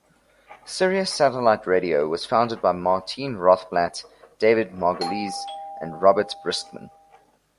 Sirius Satellite Radio was founded by Martine Rothblatt, David Margolese and Robert Briskman.